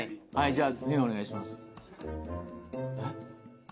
じゃあニノお願いします。